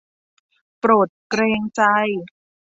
โปรดเกรงใจ